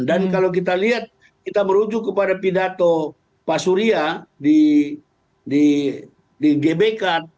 dan kalau kita lihat kita merujuk kepada pidato pak surya di gbk